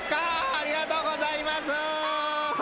ありがとうございます！